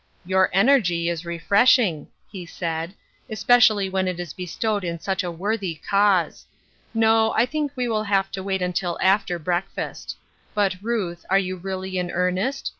"Your energy is refresh iDg," he said, " especially when it is bestowed in such a worthy cause. No, I think we will have to wait until after breakfast. But, Ruth, are you really in earnest?